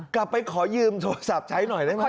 ขอยืมโทรศัพท์ใช้หน่อยได้ไหม